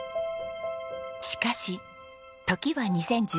しかし時は２０１９年の年末。